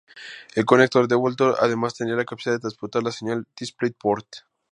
El conector Thunderbolt además tendría la capacidad de transportar la señal DisplayPort.